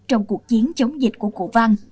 trong cuộc chiến chống dịch của cụ văn